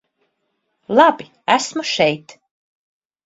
Labi, esmu šeit.